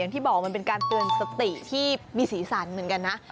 ที่บอกมันเป็นการเตือนสติที่มีสีสันเหมือนกันนะ